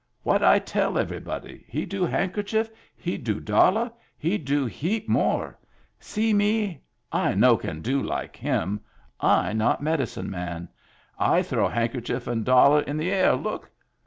"What I tell everybody? He do handkerchief. He do dollar. He do heap more. See me. I no can do like him. I not medi cine man. I throw handkerchief and dollar in the air, look